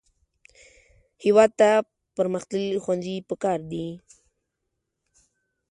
هېواد ته پرمختللي ښوونځي پکار دي